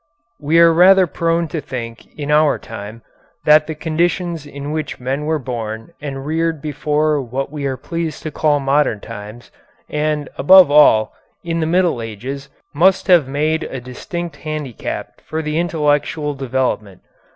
We are rather prone to think in our time that the conditions in which men were born and reared before what we are pleased to call modern times, and, above all, in the Middle Ages, must have made a distinct handicap for their intellectual development.